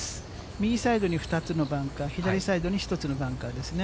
右サイドに２つのバンカー、左サイドに１つのバンカーですね。